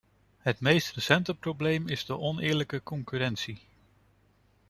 Het meest recente probleem is de oneerlijke concurrentie.